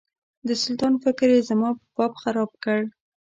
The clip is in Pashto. د سلطان فکر یې زما په باب خراب کړ.